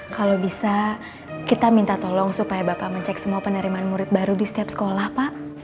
kalau bisa kita minta tolong supaya bapak mencek semua penerimaan murid baru di setiap sekolah pak